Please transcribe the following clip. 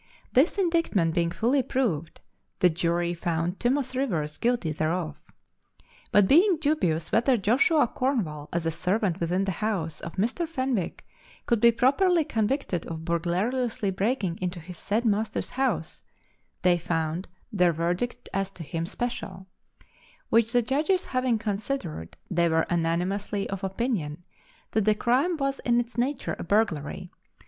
This indictment being fully proved, the jury found Thomas Rivers guilty thereof. But being dubious whether Joshua Cornwall, as a servant within the house of Mr. Fenwick, could be properly convicted of burglariously breaking into his said master's house, they found their verdict as to him special; which the judges having considered, they were unanimously of opinion that the crime was in its nature a burglary.